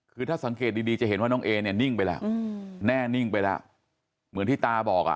คือถ้าสังเกตดีจะเห็นว่าน้องเอเนี่ยนิ่งไปแล้วแน่นิ่งไปแล้วเหมือนที่ตาบอกอ่ะ